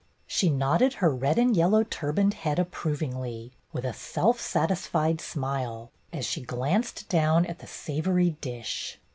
She nodded her red and yellow turbaned head approvingly, with a self satisfied smile, as she glanced down at the savory dish.